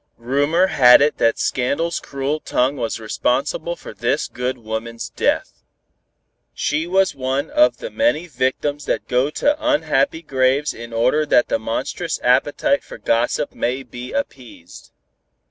Rumor had it that scandal's cruel tongue was responsible for this good woman's death. She was one of the many victims that go to unhappy graves in order that the monstrous appetite for gossip may be appeased.